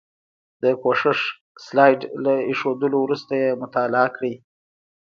د پوښښ سلایډ له ایښودلو وروسته یې مطالعه کړئ.